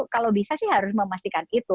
kalau bisa sih harus memastikan itu